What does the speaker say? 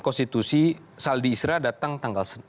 konstitusi saldi isra datang tanggal